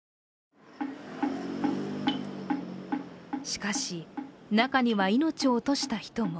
しかし、中には命を落とした人も。